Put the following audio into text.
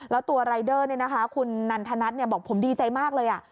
แล้วตัวรายเดอร์คุณนันทนัทบอกผมดีใจมากเลย